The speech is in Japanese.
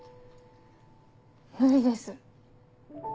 無理です。